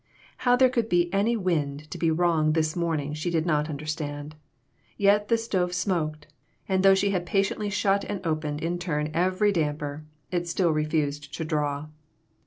How there could be any wind to be wrong this morning she did not understand. Yet the stove smoked, and though she had patiently shut and opened in turn every damper, it still refused to "draw."